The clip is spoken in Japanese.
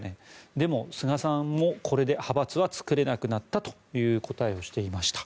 でも、菅さんもこれで派閥は作れなくなったという答えをしていました。